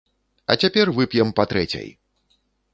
А цяпер вып'ем па трэцяй!